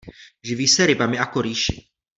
Živí se rybami a korýši.